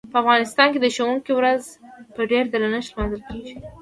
په افغانستان کې د ښوونکي ورځ په ډیر درنښت لمانځل کیږي.